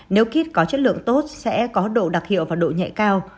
nếu kết có chất lượng tốt sẽ có độ đặc hiệu và độ nhạy cao